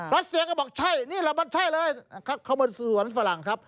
รัสเซียก็บอกใช่นี่แหละมันใช่เลยเขาเหมือนสวนฝรั่งครับ